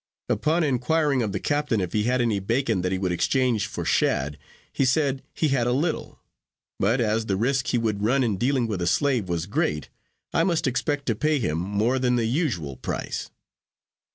Upon inquiring of the captain if he had any bacon that he would exchange for shad, he said, he had a little; but, as the risk he would run in dealing with a slave was great, I must expect to pay him more than the usual price.